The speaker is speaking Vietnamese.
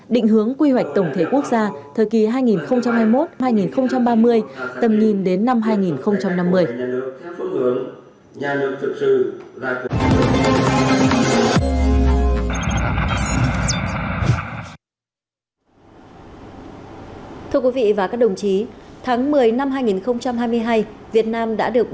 định hướng quy hoạch tổng thể quốc gia thời kỳ hai nghìn hai mươi một hai nghìn ba mươi tầm nhìn đến năm hai nghìn năm mươi